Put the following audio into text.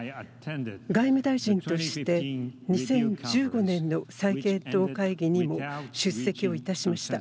外務大臣として２０１５年の再検討会議にも出席をいたしました。